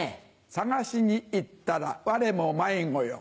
探しに行ったらわれも迷子よ。